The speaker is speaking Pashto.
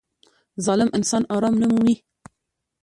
• ظالم انسان آرام نه مومي.